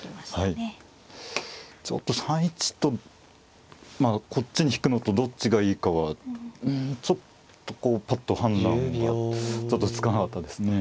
ちょっと３一とこっちに引くのとどっちがいいかはうんちょっとぱっと判断がちょっとつかなかったですね。